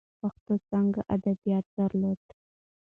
پښتو څانګه ادبیات درلودل.